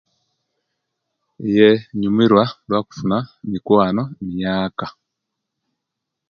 Yee inyumirwa lwakufuna mikwano injaaka